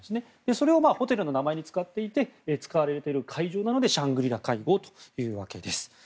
それをホテルの名前に使っていて使われている会場なのでシャングリラ会合というわけです。